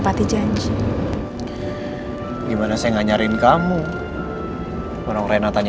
aku masih harus sembunyikan masalah lo andin dari mama